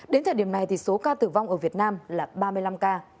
đến thời điểm này thì số ca tử vong ở việt nam là ba mươi năm ca